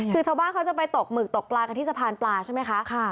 คือชาวบ้านเขาจะไปตกหมึกตกปลากันที่สะพานปลาใช่ไหมคะ